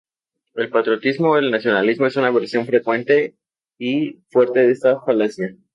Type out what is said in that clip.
El patriotismo o el nacionalismo es una versión frecuente y fuerte de esta falacia.